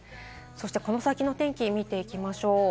この先の天気、見ていきましょう。